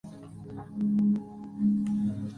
El rey Francisco I fue un gran entusiasta de este queso.